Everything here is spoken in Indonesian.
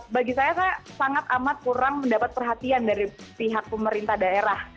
bagi saya saya sangat amat kurang mendapat perhatian dari pihak pemerintah daerah